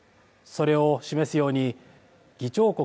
それを示すように、議長国